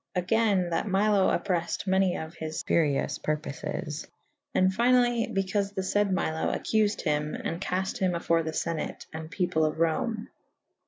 Agayne that Milo opprel fyd many of his furioufe purpofes. And fynally bycaufe the layd Milo accufed hym and cafte hym afore the Senate and people of Rome.